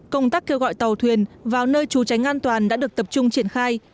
công tác kêu gọi tàu thuyền vào nơi trú tránh an toàn đã được tập trung triển khai